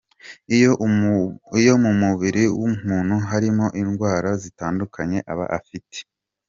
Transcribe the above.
Iyo mu mubiri w’umuntu harimo indwara zitandukanye, aba afite.